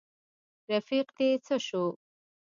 رفیق دي څه شو.